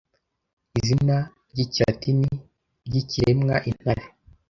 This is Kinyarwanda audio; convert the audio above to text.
izina ry'ikilatini ry'ikiremwa intare